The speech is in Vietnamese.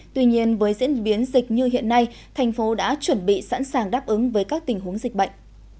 tuy nhiên với diễn biến dịch như hiện nay thành phố đã chuẩn bị sẵn sàng đáp ứng với các tình huống dịch bệnh